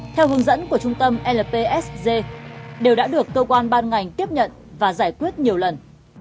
theo hướng dẫn của trung tâm lpsg đều đã được cơ quan ban ngành tiếp nhận và giải quyết nhiều lần